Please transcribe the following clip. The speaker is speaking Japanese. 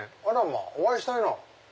お会いしたいなぁ。